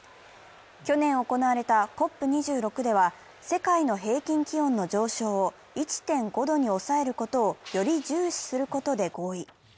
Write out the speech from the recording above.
去年行われたＣＯＰ２６では世界の平均気温の上昇を１．５度に抑えることをより重視することで合意。